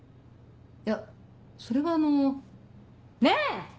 いやそれはあの。ねぇ！